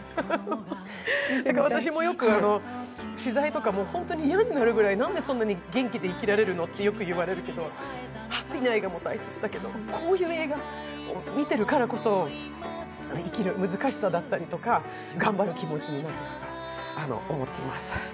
私もよく、取材とか、嫌になるくらいなんでそんなに元気で生きられるってよく言われるんだけどハッピーな映画も大切だけど、こういう映画を見ているからこそ生きる難しさだったりとか頑張る気持ちになると思っています。